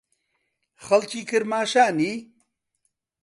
خەڵکی کرماشانی؟